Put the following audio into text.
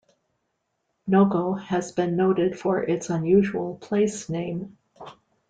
Nogo has been noted for its unusual place name.